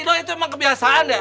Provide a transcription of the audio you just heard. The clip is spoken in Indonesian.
doi itu emang kebiasaan deh